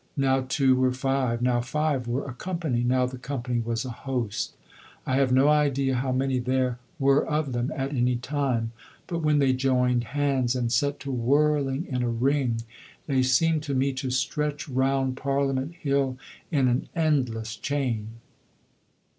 Now two were five; now five were a company; now the company was a host. I have no idea how many there were of them at any time; but when they joined hands and set to whirling in a ring they seemed to me to stretch round Parliament Hill in an endless chain.